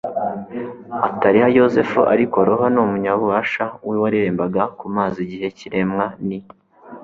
atariha yozefu.ariko roho ni umunyabubasha, we warerembaga ku mazi igihe cy'iremwa. ni